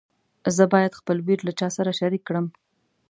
زه باید خپل ویر له چا سره شریک کړم.